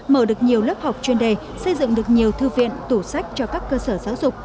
mở được nhiều lớp học chuyên đề xây dựng được nhiều thư viện tủ sách cho các cơ sở giáo dục